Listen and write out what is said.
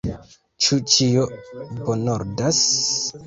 Ĉu ĉio bonordas?